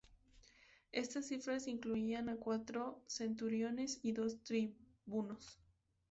Estas cifras incluían a cuatro centuriones y dos tribunos.